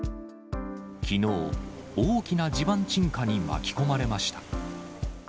きのう、大きな地盤沈下に巻き込まれました。